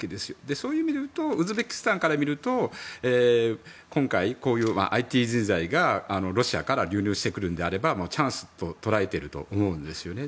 そういう意味でいうとウズベキスタンからみると今回、こういうＩＴ人材がロシアから流入してくるのであればチャンスと捉えていると思うんですよね。